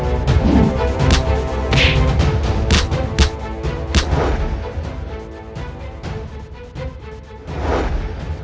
aku mengakui keunggulanmu memang hebat